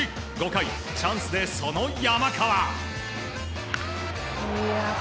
５回、チャンスでその山川。